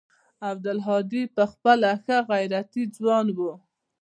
عبدالهادي پخپله ښه غيرتي ځوان و.